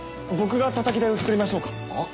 僕がたたき台を作りましょうか。